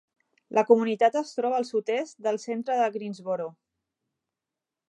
La comunitat es troba al sud-est del centre de Greensboro.